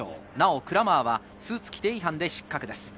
クラマーはスーツ規定違反で失格です。